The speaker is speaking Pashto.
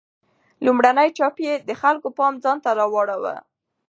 لومړنی چاپ یې د خلکو پام ځانته راواړاوه.